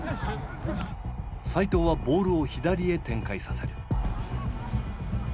齋藤はボールを左へ展開させる。